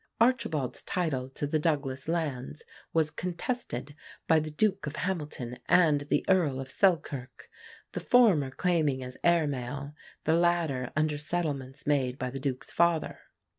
Archibald's title to the Douglas lands was contested by the Duke of Hamilton and the Earl of Selkirk, the former claiming as heir male, the latter under settlements made by the Duke's father.